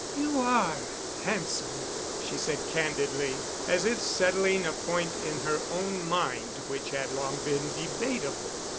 "You are handsome!" she said candidly, as if settling a point in her own mind which had long been debatable.